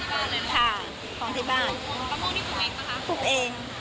มะม่วงที่ปลูกเองเหรอคะปลูกเอง